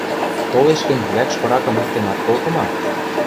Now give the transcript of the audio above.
— Толеш гӹнь, вӓкш пыракым оптен ат колты ма?